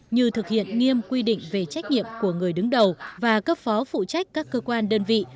như thực hiện nghiêm quy định về trách nhiệm của người đứng đầu và cấp phó phụ trách các cơ quan đơn vị